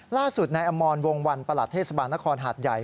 ล่าสุดนายอมรวงวันประหลัดเทศบาลนครหาดใหญ่